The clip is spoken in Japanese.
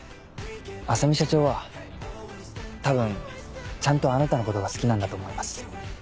浅海社長は多分ちゃんとあなたのことが好きなんだと思います。